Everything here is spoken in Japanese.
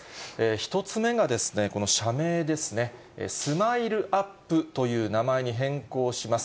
１つ目がですね、この社名ですね、スマイルアップという名前に変更します。